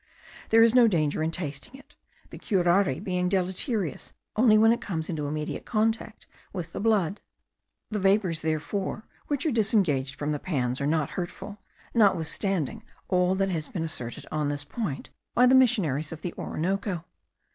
There is no danger in tasting it, the curare being deleterious only when it comes into immediate contact with the blood. The vapours, therefore, which are disengaged from the pans are not hurtful, notwithstanding all that has been asserted on this point by the missionaries of the Orinoco.